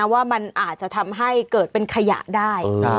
ว่ามันอาจจะทำให้เกิดเป็นขยะได้